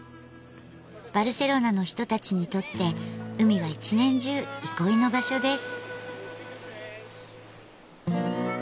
バルセロナの人たちにとって海は一年中憩いの場所です。